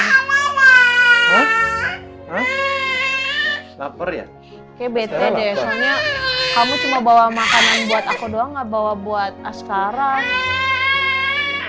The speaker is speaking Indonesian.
lapar ya oke bete deh soalnya kamu cuma bawa makanan buat aku doang nggak bawa buat as karat